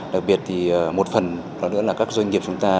đặc biệt thì một phần đó nữa là các doanh nghiệp chúng ta